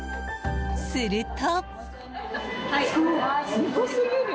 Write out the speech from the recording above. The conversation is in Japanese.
すると。